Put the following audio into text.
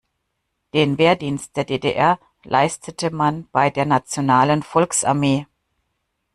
Den Wehrdienst der D-D-R leistete man bei der nationalen Volksarmee.